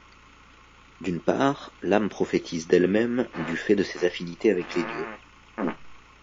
D'une part, l'âme prophétise d'elle-même du fait de ses affinités avec les dieux.